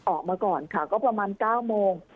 ออกมาก่อนค่ะก็ประมาณ๙โมง